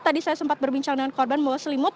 tadi saya sempat berbincang dengan korban membawa selimut